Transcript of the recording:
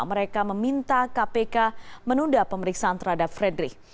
mereka meminta kpk menunda pemeriksaan terhadap frederick